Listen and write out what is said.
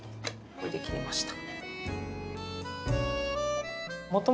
これで切れました。